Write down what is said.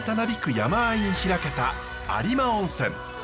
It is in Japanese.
山あいに開けた有馬温泉。